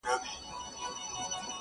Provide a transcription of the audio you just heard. نه له زوره د زلمیو مځکه ګډه په اتڼ ده!!